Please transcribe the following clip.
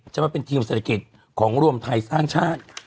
มาเป็นทีมเศรษฐกิจของรวมไทยสร้างชาติ